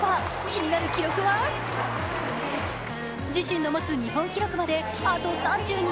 気になる記録は自身の持つ日本記録まであと３２ｃｍ。